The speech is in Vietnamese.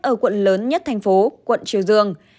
ở quận lớn nhất thành phố quận triều dương